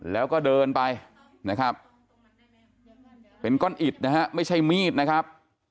แล้วก็เดินไปนะครับเป็นก้อนอิดนะฮะไม่ใช่มีดนะครับ